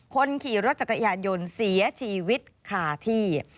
คนขี่รถจักรยานยนต์เสียชีวิตคาที่